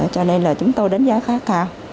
cho nên là chúng tôi đánh giá khá cao